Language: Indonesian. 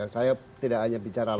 saya tidak hanya bicara